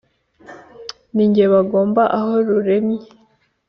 Ni jye bagomba aho ruremye,